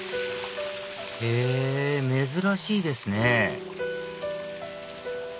へぇ珍しいですね